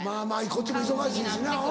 こっちも忙しいしな。